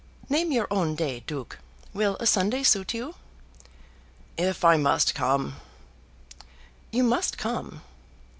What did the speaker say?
"Name your own day, Duke. Will a Sunday suit you?" "If I must come " "You must come."